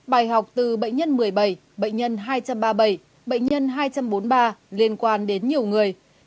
bài học từ bệnh nhân một mươi bảy bệnh nhân hai trăm ba mươi bảy bệnh nhân hai trăm bốn mươi ba liên quan đến nhiều người